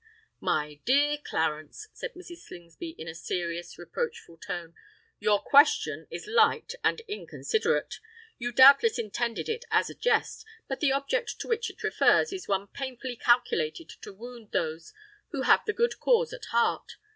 "My dear Clarence," said Mrs. Slingsby in a serious, reproachful tone, "your question is light and inconsiderate. You doubtless intended it as a jest, but the object to which it refers is one painfully calculated to wound those who have the good cause at heart.